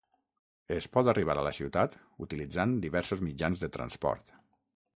Es pot arribar a la ciutat utilitzant diversos mitjans de transport.